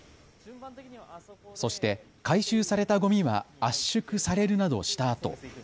そして回収されたごみは圧縮されるなどしたあと。